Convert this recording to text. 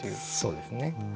そうですね。